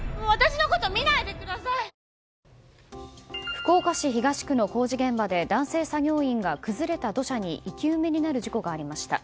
福岡市東区の工事現場で男性作業員が崩れた土砂に生き埋めになる事故がありました。